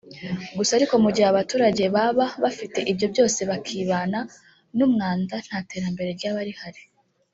Gusa ariko mu gihe abaturage baba bafite ibyo byose bakibana n’umwanda nta terambere ryaba rihari